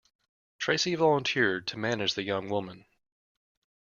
Tracey volunteered to manage the young woman.